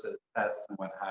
dan apa yang lainnya